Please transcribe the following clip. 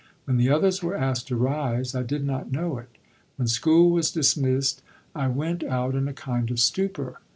When the others were asked to rise, I did not know it. When school was dismissed, I went out in a kind of stupor.